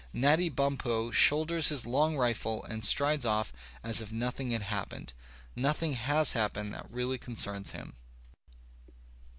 Natty Bumppo shoulders his long rifle and strides off as if nothing had happened. Nothing has hap pened that really concerns him.